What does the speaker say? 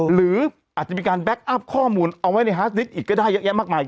หรืออาจจะมีการแก๊คอัพข้อมูลเอาไว้ในฮาสนิกอีกก็ได้เยอะแยะมากมาย